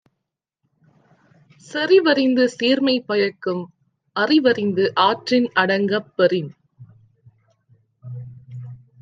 செறிவறிந்து சீர்மை பயக்கும் அறிவறிந்து ஆற்றின் அடங்கப் பெறின்